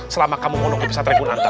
selama kamu ngonong di pesatara ikun antar